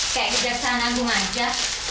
kayak kerjaan anggung aja